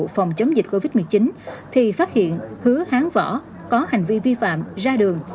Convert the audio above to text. phòng chống dịch covid một mươi chín thì phát hiện hứa hán võ có hành vi vi phạm ra đường